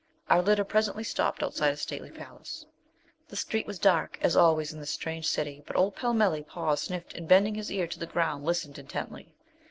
Our litter presently stopped outside a stately palace. The street was dark, as always in this strange city, but old Pellmelli paused, sniffed, and, bending his ear to the ground, listened intently.